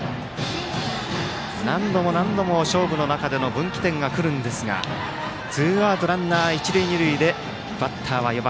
何度も何度も、勝負の中での分岐点が来るんですがツーアウトランナー、一塁二塁でバッターは４番。